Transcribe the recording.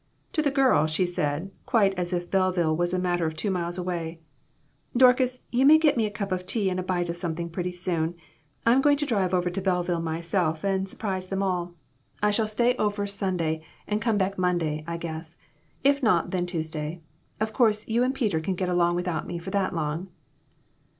To the girl she said, quite as if Belleville was a matter of two miles away " Dorcas, you may get me a cup of tea and a bite of something pretty soon. I'm going to drive over to Belleville myself and surprise them all. I IO6 IMPROMPTU VISITS. shall stay over Sunday and come back Monday, I guess. If not, then Tuesday. Of course, you and Peter can get along without me that long."